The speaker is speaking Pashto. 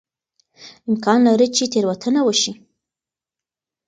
امکان لري چې تېروتنه وشي.